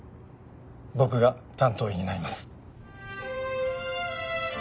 僕が担当医になります。